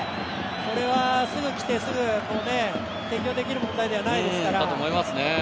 それはすぐ来て、すぐ適応できるものではないですから。